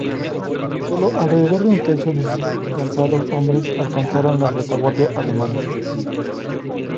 Sólo alrededor de un tercio de sus cansados hombres alcanzaron la retaguardia alemana.